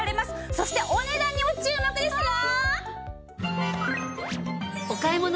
そしてお値段にも注目ですよ。